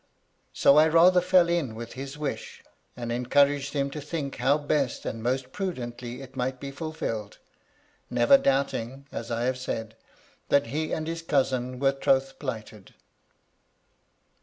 So I rather fell in with his wish, and encouraged him to think how best and most prudently it might be fulfilled; never doubting, as I hare said, that he and his cousin were troth plighted.